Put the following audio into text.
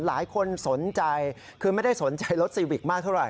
หลายคนสนใจคือไม่ได้สนใจรถซีวิกมากเท่าไห